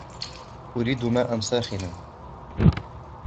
أريد ماءا ساخنا.